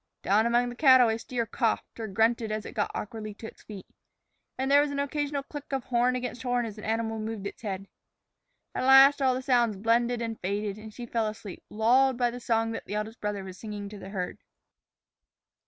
Down among the cattle a steer coughed, or grunted as it got awkwardly to its feet. And there was an occasional click of horn against horn as an animal moved its head. At last all the sounds blended and faded, and she fell asleep, lulled by the song that the eldest brother was singing to the herd.